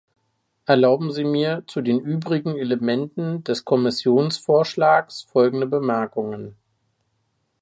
Erlauben Sie mir zu den übrigen Elementen des Kommissionsvorschlags folgende Bemerkungen.